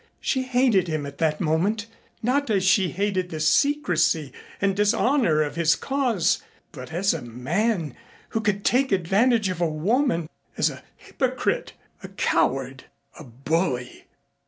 She hated him at that moment, not as she hated the secrecy and dishonor of his cause, but as a man who could take advantage of a woman, as a hypocrite, a coward, a bully.